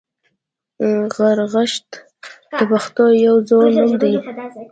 غرغښت د پښتنو یو زوړ نوم دی